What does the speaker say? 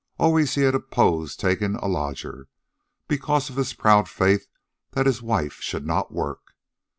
Always he had opposed taking a lodger because of his proud faith that his wife should not work.